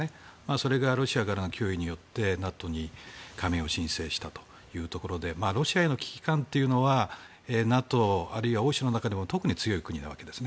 それがロシアからの脅威によってＮＡＴＯに加盟を申請したということでロシアへの危機感というのはＮＡＴＯあるいは欧州の中でも特に強い国のわけです。